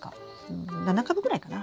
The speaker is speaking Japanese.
うん７株ぐらいかな。